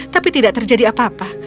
tapi tidak terjadi apa apa